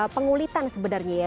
pengulitan sebenarnya ya